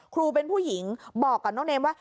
ครูเป็นผู้หญิงบอกกับน้องเนมว่า